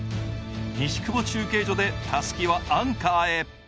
西久保中継所でたすきはアンカーへ。